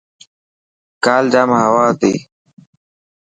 ڪال ڄام هوا هتي.